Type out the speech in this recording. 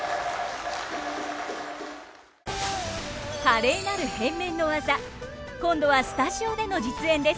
華麗なる変面の技今度はスタジオでの実演です。